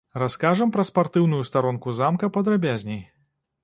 Раскажам пра спартыўную старонку замка падрабязней.